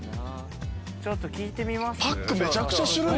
ちょっと聞いてみます？